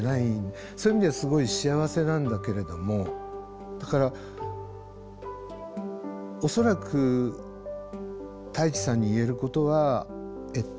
そういう意味ではすごい幸せなんだけれどもだから恐らくＴａｉｃｈｉさんに言えることはえっと